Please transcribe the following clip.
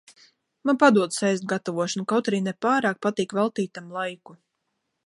Man padodas ēst gatavošana, kaut arī ne pārāk patīk veltīt tam laiku.